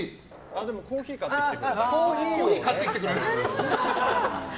でも、コーヒー買ってきてくれたりとか。